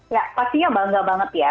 ya pastinya bangga banget ya